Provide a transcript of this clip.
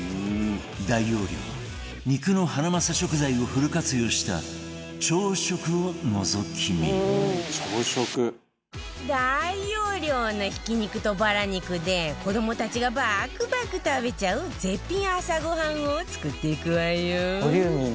大容量、肉のハナマサ食材をフル活用した朝食をのぞき見大容量のひき肉とバラ肉で子どもたちがばくばく食べちゃう絶品朝ごはんを作っていくわよ